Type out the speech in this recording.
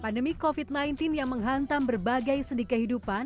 pandemi covid sembilan belas yang menghantam berbagai sendi kehidupan